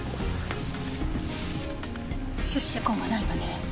出射痕はないわね。